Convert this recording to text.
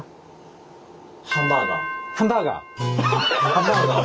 ハンバーガー。